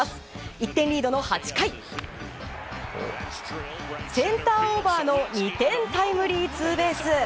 １点リードの８回センターオーバーの２点タイムリーツーベース！